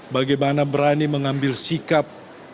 bagaimana berani mengambil sikap